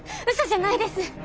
嘘じゃないです。